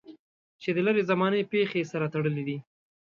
چې د لرې زمانې پېښې یې سره تړلې دي.